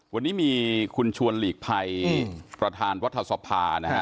วันนี้มีคุณชวนหลีกภัยประธานวัทธสภา